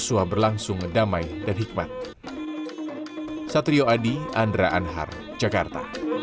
yosua berlangsung damai dan hikmat